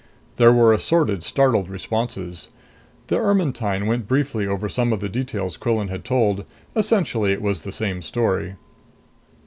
There were assorted startled responses. The Ermetyne went briefly over some of the details Quillan had told; essentially it was the same story.